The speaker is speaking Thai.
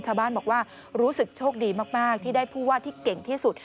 ชาวบ้านบอกว่ารู้สึกโชคดีมากที่ได้ผู้ว่าที่เก่งที่สุด